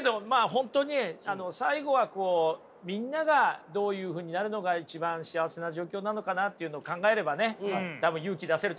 本当に最後はみんながどういうふうになるのが一番幸せな状況なのかなっていうのを考えればね多分勇気出せると思います。